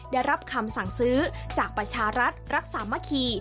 ได้รับคำสั่งซื้อจากประชารัฐรักษามะคี